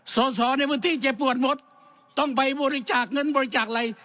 สอสอในพื้นที่เจ็บปวดหมดต้องไปบริจาคเงินบริจาคอะไร